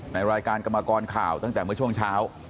ในรายการกรรมกรข่าวตั้งแต่เมื่อช่วงเช้า